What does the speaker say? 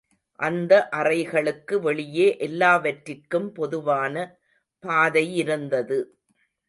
அந்த அறைகளுக்கு வெளியே எல்லாவற்றிற்கும் பொதுவான பாதையிருந்தது.